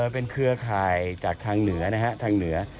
เป็นเครือข่ายจากทางเหนือนะฮะทางเหนือ